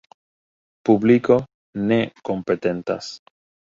Publiko ne kompetentas.